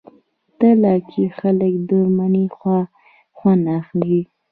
تله کې خلک د مني هوا خوند اخلي.